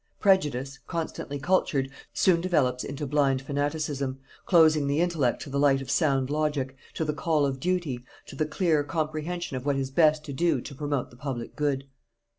Prejudice, constantly cultured, soon develops into blind fanaticism, closing the intellect to the light of sound logic, to the call of duty, to the clear comprehension of what is best to do to promote the public good.